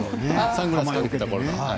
サングラスかけてたころの。